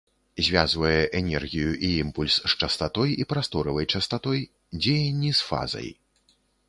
Звязвае энергію і імпульс з частатой і прасторавай частатой, дзеянні з фазай.